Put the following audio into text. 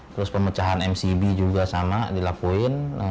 terus pemecahan mcb juga sama dilakuin